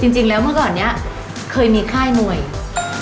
จริงแล้วเมื่อก่อนนี้เคยมีค่ายมวย